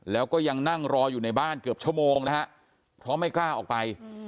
แล้วก็ยังนั่งรออยู่ในบ้านเกือบชั่วโมงนะฮะเพราะไม่กล้าออกไป